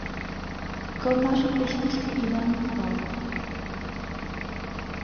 Кылтажым пеш кӱшкӧ ида нӧлтал.